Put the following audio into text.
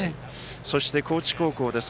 そして、高知高校です。